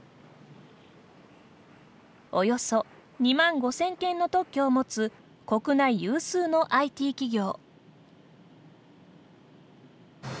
およそ２万５０００件の特許を持つ、国内有数のＩＴ企業。